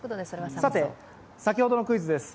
さて先ほどのクイズです。